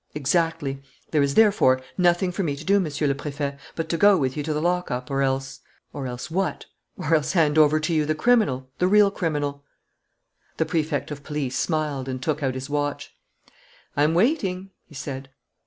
Exactly. There is therefore nothing for me to do, Monsieur le Préfet, but to go with you to the lockup or else " "Or else what?" "Or else hand over to you the criminal, the real criminal." The Prefect of Police smiled and took out his watch. "I'm waiting," he said.